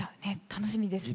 楽しみですね。